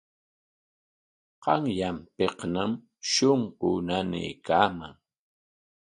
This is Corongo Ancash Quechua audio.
Qanyanpikñam shunquu nanaykaaman.